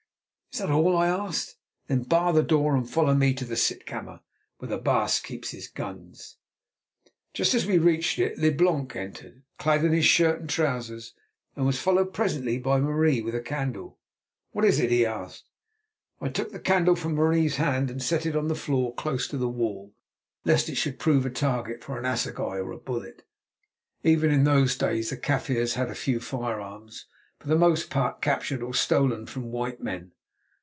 "Is that all?" I asked. "Then bar the door and follow me to the sitkammer, where the baas keeps his guns." Just as we reached it, Leblanc entered, clad in his shirt and trousers, and was followed presently by Marie with a candle. "What is it?" he asked. I took the candle from Marie's hand, and set it on the floor close to the wall, lest it should prove a target for an assegai or a bullet. Even in those days the Kaffirs had a few firearms, for the most part captured or stolen from white men.